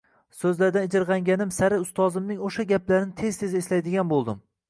so’zlaridan ijirg’anganim sari ustozning o’sha gaplarini tez-tez eslaydigan bo’ldim.